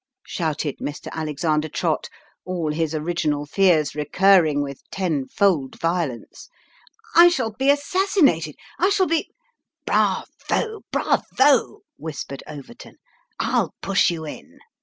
" shouted Mr. Alexander Trott, all his original fears recurring with tenfold violence. " I shall be assassinated I shall be "" Bravo, bravo," whispered Overton. " I'll push you in."